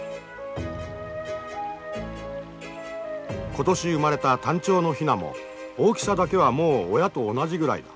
今年生まれたタンチョウのヒナも大きさだけはもう親と同じぐらいだ。